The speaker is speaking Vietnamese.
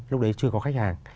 lúc đấy chưa có khách hàng